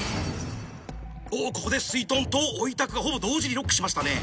ここですいとんとおいたくがほぼ同時にロックしましたね。